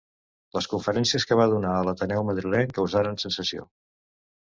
Les conferències que va donar a l'Ateneu madrileny causaren sensació.